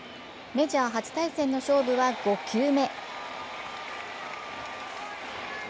メジャー初対戦の勝負は５球目。